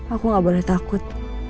aku gak boleh takut